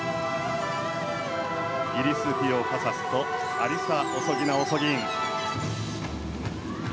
イリス・ティオ・カサスとアリサ・オソギナ・オソギン。